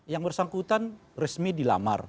yang bersangkutan resmi dilamar